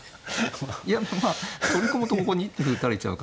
いやまあ取り込むとここに歩打たれちゃうから。